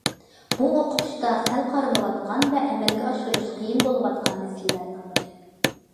بۇ ئوقۇتۇشتا سەل قارىلىۋاتقان ۋە ئەمەلگە ئاشۇرۇش قىيىن بولۇۋاتقان مەسىلىلەرنىڭ بىرى.